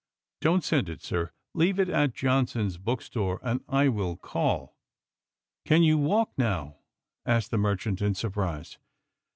" Don't send it, sir. Leave it at Johnson's book store, and I will call." " Can you walk now ?" asked the merchant in surprise.